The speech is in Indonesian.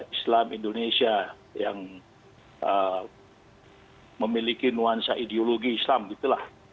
islam indonesia yang memiliki nuansa ideologi islam gitu lah